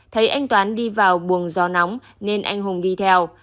thấy anh toán đi vào buồng do nóng nên anh hùng đi theo